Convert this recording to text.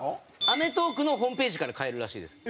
『アメトーーク』のホームページから買えるらしいです。